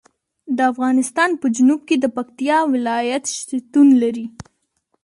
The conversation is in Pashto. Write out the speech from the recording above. د افغانستان په جنوب کې د پکتیکا ولایت شتون لري.